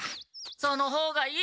その方がいい。